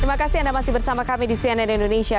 terima kasih anda masih bersama kami di cnn indonesia